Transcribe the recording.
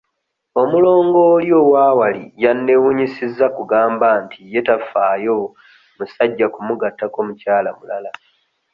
Omulongo oli owa wali yanneewuunyisizza kugamba nti ye tafaayo musajja kumugattako mukyala mulala.